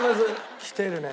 きてるね。